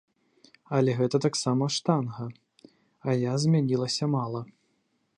Але гэта таксама штанга, а я змянілася мала.